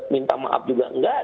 minta maaf juga enggak